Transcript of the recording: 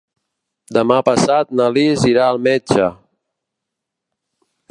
Demà passat na Lis irà al metge.